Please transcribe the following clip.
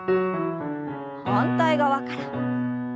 反対側から。